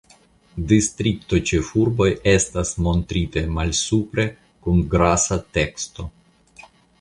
Distriktoĉefurboj estas montritaj malsupre kun grasa teksto.